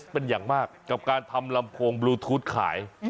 เป็นอย่างมากกับการทำลำโพงบลูทูธขาย